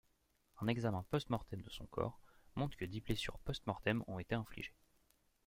Un examen post-mortem de son corps montre que dix blessures mortelles ont été infligées.